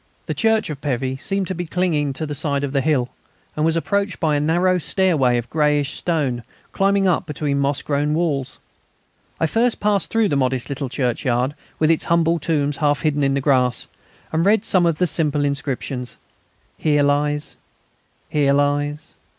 The church of Pévy seemed to be clinging to the side of the hill, and was approached by a narrow stairway of greyish stone, climbing up between moss grown walls. I first passed through the modest little churchyard, with its humble tombs half hidden in the grass, and read some of the simple inscriptions: "Here lies ... Here lies